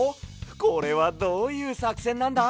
これはどういうさくせんなんだ？